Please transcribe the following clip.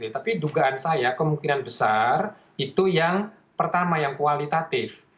tapi dugaan saya kemungkinan besar itu yang pertama yang kualitatif